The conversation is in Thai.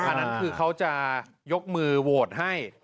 อันนั้นคือเขาจะยกมือโหวตให้